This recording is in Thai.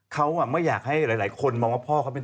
เขาหมาอยากให้หลายคนบองกับฟ่า